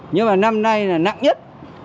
nhưng mà năm nay là nặng nhất